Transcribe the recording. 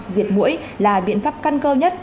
diệt mũi là biện pháp căn cơ nhất